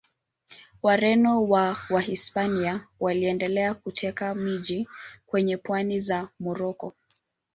Wareno wa Wahispania waliendelea kuteka miji kwenye pwani za Moroko.